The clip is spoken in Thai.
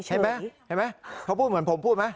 เห็นไหมเขาพูดเหมือนผมพูดไหม